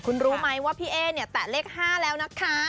คุณรู้ไหมว่าพี่เอ๊เนี่ยแตะเลข๕แล้วนะคะ